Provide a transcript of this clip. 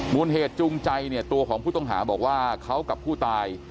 มูลเหตุจูงใจเนี่ยตัวของผู้ต้องหาบอกว่าเขากับผู้ตาย